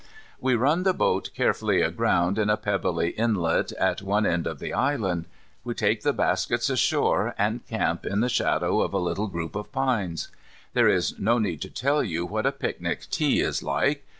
We run the boat carefully aground in a pebbly inlet at one end of the island. We take the baskets ashore, and camp in the shadow of a little group of pines. There is no need to tell you what a picnic tea is like.